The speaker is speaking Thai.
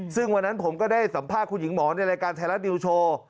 ซึ่งวันนั้นผมก็ได้สัมภาษณ์คุณหญิงหมอในรายการไทยรัฐนิวโชว์